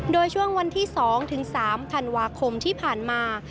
โดยช่วงวันที่๒ถึง๓ธันวาคมที่ผ่านมา